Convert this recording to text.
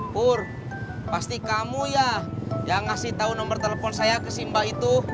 pur pasti kamu ya yang ngasih tahu nomor telepon saya ke simba itu